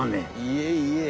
いえいえ。